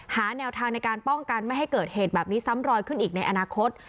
หาแนวทางในการป้องกันไม่ให้เกิดเหตุแบบนี้ซ้ำรอยขึ้นอีกในอนาคต